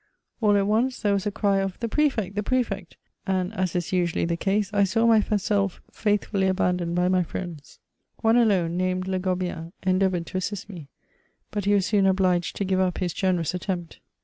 All at once, there was aery of the Prefect! — the Prefect I" and, as is usually the case, I saw mysdf faithlessly abandoned by my friends. One alone, named Le Gobbien, endeavoured to assist me, but he was soon obliged to give up his generous' attempt.